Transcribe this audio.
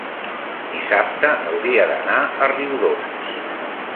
dissabte hauria d'anar a Riudoms.